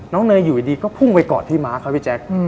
น้องเนยอยู่ดีก็พุ่งไปกอดพี่มาร์คครับพี่แจ๊ค